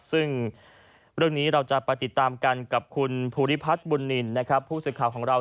ซึ่งเรื่องนี้เราจะไปติดตามกันกับคุณภูริพัฒน์บุญนินนะครับผู้สื่อข่าวของเรา